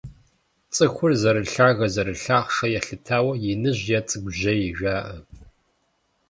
ЦӀыхур зэрылъагэ-зэрылъахъшэ елъытауэ «иныжь» е «цӀыкӀужьей» жаӀэ.